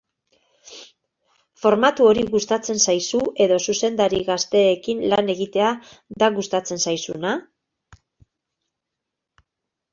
Formatu hori gustatzen zaizu edo zuzendari gazteekin lan egitea da gustatzen zaizuna?